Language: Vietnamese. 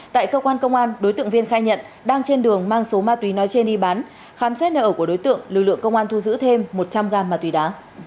tại cơ quan công an đối tượng viên khai nhận đang trên đường mang số ma túy nói trên đi bán khám xét nợ của đối tượng lực lượng công an thu giữ thêm một trăm linh gam ma túy đá